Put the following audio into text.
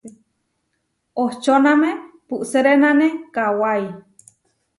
Ohčóname puʼserénane kawái.